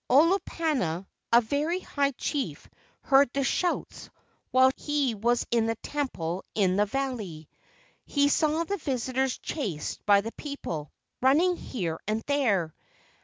Olopana, a very high chief, heard the shouts while he was in the temple in the valley. He saw the visitors chased by the people, running here and there.